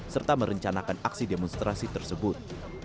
serta merencanakan aksi demonstrasi tersebut